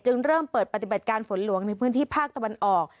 เริ่มเปิดปฏิบัติการฝนหลวงในพื้นที่ภาคตะวันออก